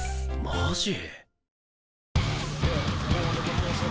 マジ？